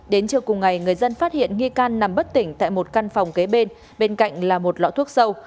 đến trưa cùng ngày người dân phát hiện nghi can nằm bất tỉnh tại một căn phòng kế bên bên cạnh là một lọ thuốc sâu